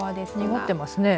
濁ってますね。